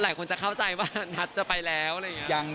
หลายคนจะเข้าใจว่านัทจะไปแล้วอะไรอย่างนี้